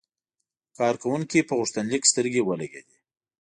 کارکونکي په غوښتنلیک سترګې ولګېدې.